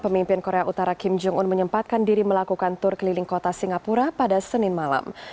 pemimpin korea utara kim jong un menyempatkan diri melakukan tur keliling kota singapura pada senin malam